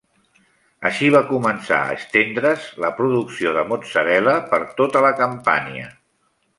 Així va començar a estendre's la producció de mozzarella per tota la Campània.